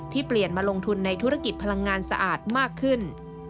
เปลี่ยนมาลงทุนในธุรกิจพลังงานสะอาดมากขึ้น